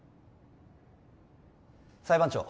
裁判長